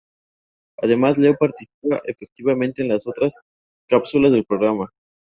Además Leo participa activamente en las otras cápsulas del programa.